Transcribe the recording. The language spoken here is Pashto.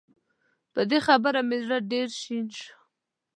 په دې خبره مې زړه ډېر شين شو